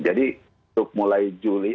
jadi untuk mulai juli